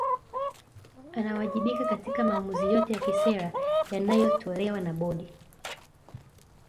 Anawajibika katika maamuzi yote ya kisera yanayotolewa na Bodi